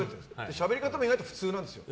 しゃべり方も普通なんですよ。